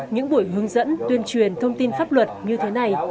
những buổi hướng dẫn tuyên truyền thông tin pháp luật như thế này